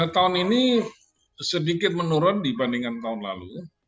tahun ini sedikit menurun dibandingkan tahun lalu